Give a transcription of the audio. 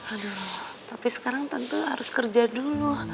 aduh tapi sekarang tentu harus kerja dulu